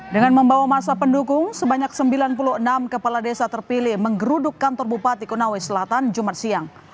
dengan membawa masa pendukung sebanyak sembilan puluh enam kepala desa terpilih menggeruduk kantor bupati konawe selatan jumat siang